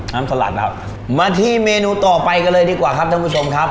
สลัดนะครับมาที่เมนูต่อไปกันเลยดีกว่าครับท่านผู้ชมครับ